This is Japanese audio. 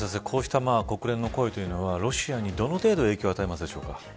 こうした国連の声というのはロシアにどの程度影響を与えますか。